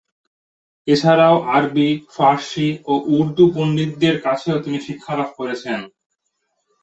এছাড়াও আরবি, ফার্সি ও উর্দু পন্ডিতদের কাছেও তিনি শিক্ষালাভ করেছেন।